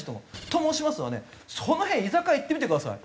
と申しますのはねその辺居酒屋行ってみてください。